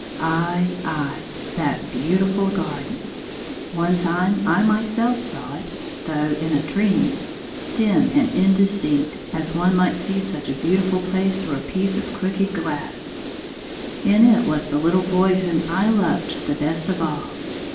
Aye, aye ;— that beautiful garden. One time I myself saw it — though in a dream — dim and in distincty as one might see such a beautiful place through a piece of crooked glass. In it was the little boy whom I loved the best of all.